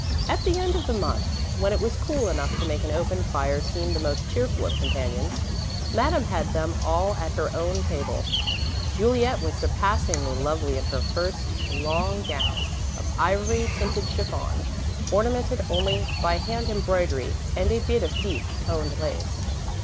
At the end of the month, when it was cool enough to make an open fire seem the most cheerful of companions, Madame had them all at her own table. Juliet was surpassingly lovely in her first long gown, of ivory tinted chiffon, ornamented only by hand embroidery and a bit of deep toned lace.